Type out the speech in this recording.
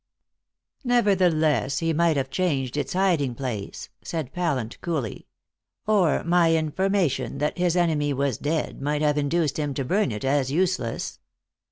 "Nevertheless, he might have changed its hiding place," said Pallant coolly, "or my information that his enemy was dead might have induced him to burn it as useless.